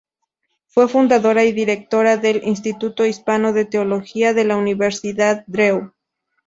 Fue fundadora y codirectora del Instituto Hispano de Teología de la Universidad Drew.